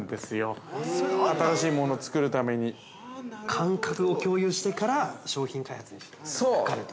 ◆感覚を共有してから商品開発にかかると。